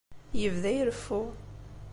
Yebda ireffu.